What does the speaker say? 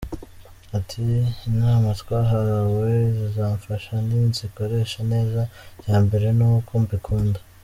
Ati “Inama twahawe zizamfasha ninzikoresha neza, icya mbere ni uko mbikunda.